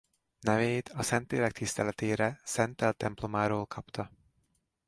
Nevét a Szentlélek tiszteletére szentelt templomáról kapta.